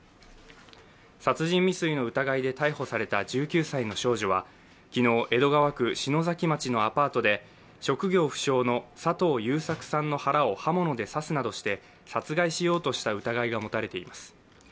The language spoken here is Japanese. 殺人未遂の疑いで逮捕された１９歳の少女は昨日、江戸川区篠崎町のアパートで職業不詳の佐藤優作さんの腹を刃物で刺すなどして、殺害しようとした疑いが持たれています。